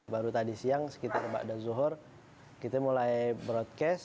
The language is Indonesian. baru tadi siang sekitar mbak dan zuhur